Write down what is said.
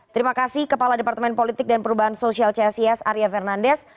terima kasih kepala departemen politik dan perubahan sosial csis arya fernandes